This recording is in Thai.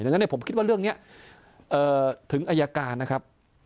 ฉะนั้นผมคิดว่าเรื่องนี้ถึงอายการนะครับ